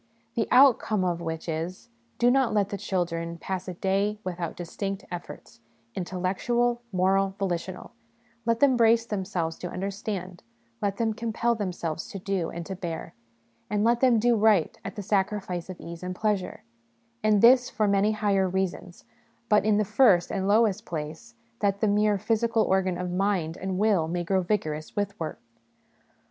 The outcome of which is Do not let the children pass a day without distinct efforts, intellectual, moral, volitional ; let them brace themselves to understand ; let them compel themselves to do and to bear ; and let them do right at the sacrifice of ease and pleasure : and this for many higher reasons, but, in the first and lowest place, that the mere physical organ of mind and will may grow vigorous with work.